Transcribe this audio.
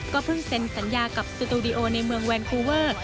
เพิ่งเซ็นสัญญากับสตูดิโอในเมืองแวนคูเวอร์